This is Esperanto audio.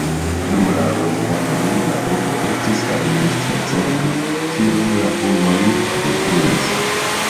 Dum la romianoj la urbo estis administra centro, kiun la hunoj detruis.